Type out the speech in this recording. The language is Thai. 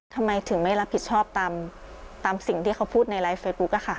ทำไมถึงไม่รับผิดชอบตามสิ่งที่เขาพูดในไลฟ์เฟซบุ๊ก